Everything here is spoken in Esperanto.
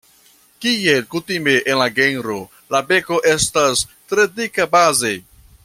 Kiel kutime en la genro, la beko estas tre dika baze.